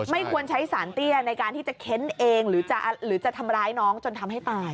ไม่ควรใช้สารเตี้ยในการที่จะเค้นเองหรือจะทำร้ายน้องจนทำให้ตาย